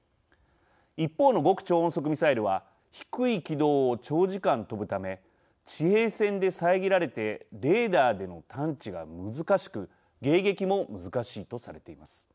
一方の極超音速ミサイルは低い軌道を長時間飛ぶため地平線で遮られてレーダーでの探知が難しく迎撃も難しいとされています。